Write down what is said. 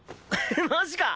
マジか！